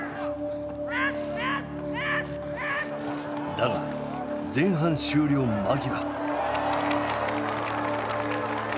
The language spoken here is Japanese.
だが前半終了間際。